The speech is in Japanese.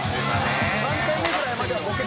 「３回目ぐらいまではボケ